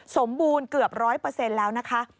สมบูรณ์เกือบ๑๐๐แล้วนะคะ